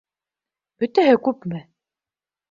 Бөтәһе күпме?